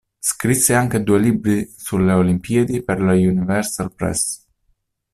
Scrisse anche due libri sulle Olimpiadi per la Universal Press.